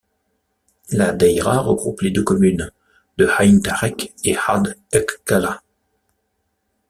La daïra regroupe les deux communes de Aïn Tarek et Had Echkalla.